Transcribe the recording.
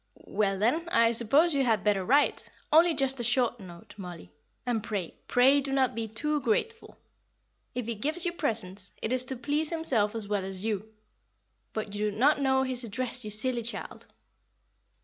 "Well, then, I suppose you had better write only just a short note, Mollie; and pray, pray do not be too grateful. If he gives you presents, it is to please himself as well as you. But you do not know his address, you silly child."